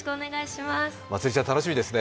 まつりちゃん、楽しみですね。